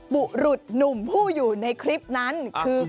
บุรุษหนุ่มผู้อยู่ในคลิปนั้นคือ